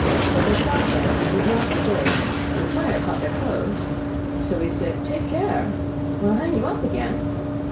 But they sat there and did not stir, and the fire caught their clothes. So he said: 'Take care, or I will hang you up again.